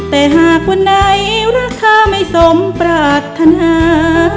แต่หากวันไหนรักเธอไม่สมปราธนา